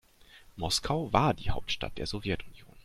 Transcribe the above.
Moskau war die Hauptstadt der Sowjetunion.